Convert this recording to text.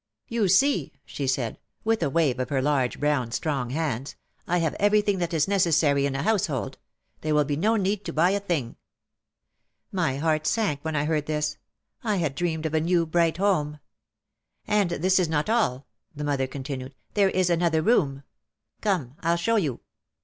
"You see," she said, with a wave of her large, brown strong hands, "I have everything that is necessary in a household. There will be no need to buy a thing." My heart sank when I heard this. I had dreamed of a new bright home. "And this is not all," the mother continued, "there is another room. Come, I'll show you."